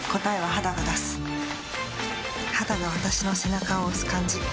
肌が私の背中を押す感じ。